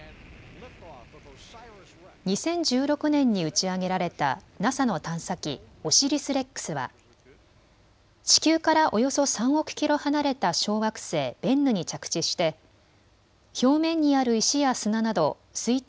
２０１６年に打ち上げられたＮＡＳＡの探査機、オシリス・レックスは地球からおよそ３億キロ離れた小惑星ベンヌに着地して表面にある石や砂など推定